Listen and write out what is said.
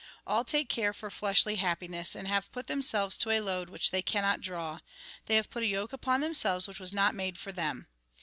" All take care for fleshly happiness, and have put themselves to a load which they cannot draw ; they have put a yoke upon themselves which was not made for them.